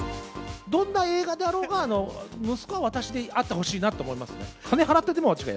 どんな映画であろうが、息子は私であってほしいなと思いますね。